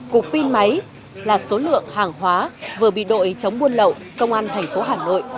cục pin máy là số lượng hàng hóa vừa bị đội chống buôn lậu công an thành phố hà nội